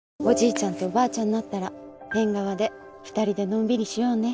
ちゃんとおばあちゃんになったら縁側で２人でのんびりしようね。